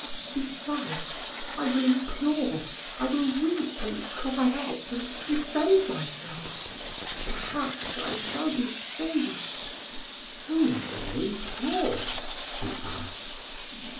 Besides, I will implore, I will weep and cry out and defend myself; perhaps I shall be saved." "Whom will your implore?" he asked.